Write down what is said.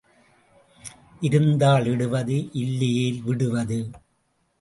இருந்தால் இடுவது இல்லையேல் விடுவது.